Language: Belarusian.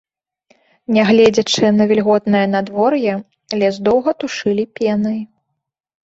Нягледзячы на вільготнае надвор'е, лес доўга тушылі пенай.